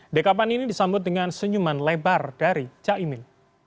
dekapan ini disambut dengan senyuman lebar dari cak emil